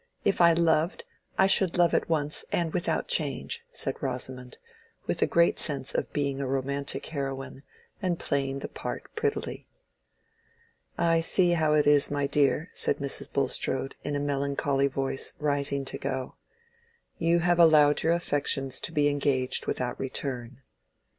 If I loved, I should love at once and without change," said Rosamond, with a great sense of being a romantic heroine, and playing the part prettily. "I see how it is, my dear," said Mrs. Bulstrode, in a melancholy voice, rising to go. "You have allowed your affections to be engaged without return."